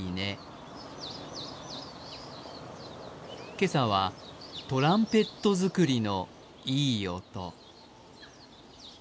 今朝はトランペット作りのいい音。